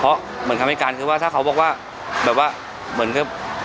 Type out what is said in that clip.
เพราะเหมือนคำให้การคือว่าถ้าเขาบอกว่าแบบว่าเหมือนกับ